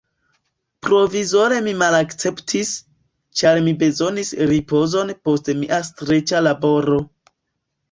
Provizore mi malakceptis, ĉar mi bezonis ripozon post mia streĉa laboro.